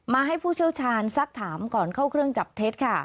ให้ผู้เชี่ยวชาญสักถามก่อนเข้าเครื่องจับเท็จค่ะ